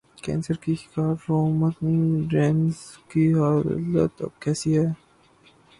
cancer کے شکار Roman Reigns کی حالت اب کیسی ہے